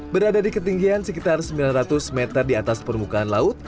berada di ketinggian sekitar sembilan ratus meter di atas permukaan laut